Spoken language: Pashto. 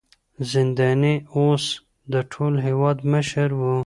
زنداني اوس د ټول هېواد مشر و.